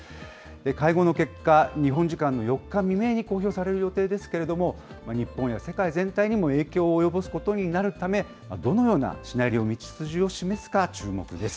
会合の結果、日本時間の４日未明に公表される予定ですけれども、日本や世界全体にも影響を及ぼすことになるため、どのようなシナリオ、道筋を示すか、注目です。